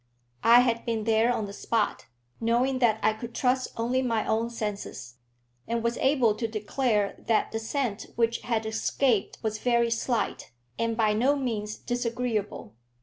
I had been there on the spot, knowing that I could trust only my own senses, and was able to declare that the scent which had escaped was very slight, and by no means disagreeable.